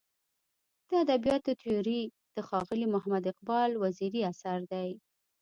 د ادبیاتو تیوري د ښاغلي محمد اقبال وزیري اثر دی.